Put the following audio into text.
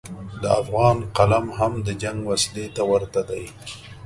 د افغان قلم هم د جنګ وسلې ته ورته دی.